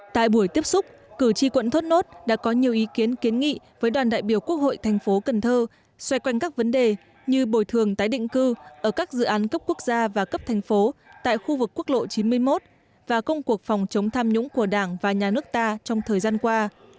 tại buổi tiếp xúc cử tri quận thốt nốt đã có nhiều ý kiến kiến nghị với đoàn đại biểu quốc hội thành phố cần thơ xoay quanh các vấn đề như bồi thường tái định cư ở các dự án cấp quốc gia và cấp thành phố tại khu vực quốc lộ chín mươi một và công cuộc phòng chống tham nhũng của đảng và nhà nước ta trong thời gian qua